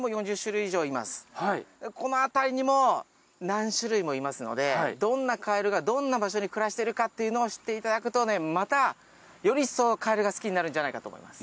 この辺りにも何種類もいますのでどんなカエルがどんな場所に暮らしてるかっていうのを知っていただくとまたよりいっそうカエルが好きになるんじゃないかと思います。